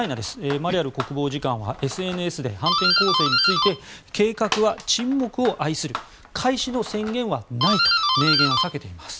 マリャル国防次官はＳＮＳで反転攻勢について計画は沈黙を愛する開始の宣言はないと明言を避けています。